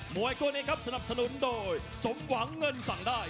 วยคู่นี้ครับสนับสนุนโดยสมหวังเงินสั่งได้